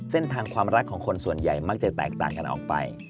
เส้นทางความรักของคนส่วนใหญ่มักจะแตกต่างกันออกไป